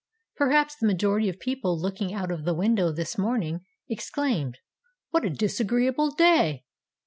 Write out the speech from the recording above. Perhaps the majority of people looking out of the window this morning exclaimed, "What a disagreeable day!"